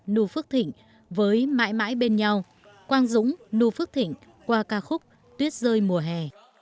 nu phước thịnh với mãi mãi bên nhau quang dũng nu phước thịnh qua ca khúc tuyết rơi mùa hè